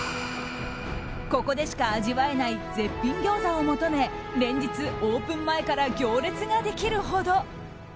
ここでしか味わえない絶品餃子を求め連日、オープン前から行列ができるほど。